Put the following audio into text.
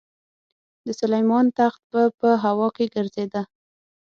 د سلیمان تخت به په هوا کې ګرځېده.